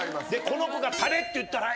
この子がタレって言ったら。